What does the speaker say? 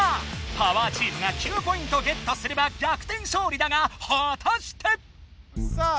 パワーチームが９ポイントゲットすればぎゃくてんしょうりだがはたして⁉さあ